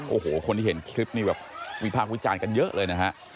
โอ้โหคนที่เห็นคลิปนี้แบบวิพากษ์วิจารณ์กันเยอะเลยนะฮะ